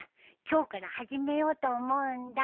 今日から始めようと思うんだ。